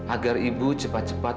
agar ibu cepat cepat